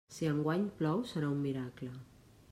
Si enguany plou, serà un miracle.